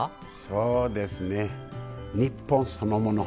そうですね日本そのもの。